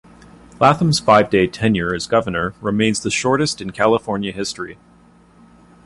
Latham's five-day tenure as governor remains the shortest in California history.